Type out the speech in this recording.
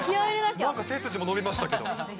なんか背筋も伸びましたけど。